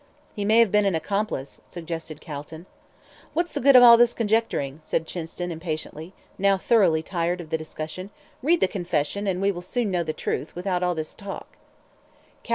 "He may have been an accomplice," suggested Calton. "What's the good of all this conjecturing?" said Chinston, impatiently, now thoroughly tired of the discussion. "Read the confession, and we will soon know the truth, without all this talk."